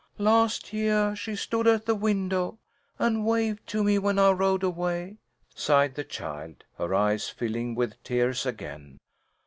"Last yeah she stood at the window and waved to me when I rode away," sighed the child, her eyes filling with tears again.